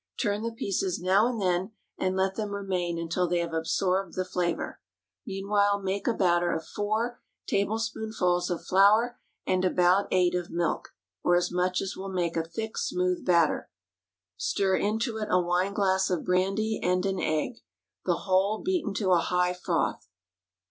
Turn the pieces now and then, and let them remain until they have absorbed the flavor. Meanwhile make a batter of four tablespoonfuls of flour and about eight of milk, or as much as will make a thick smooth batter; stir into it a wineglass of brandy and an egg, the whole beaten to a high froth.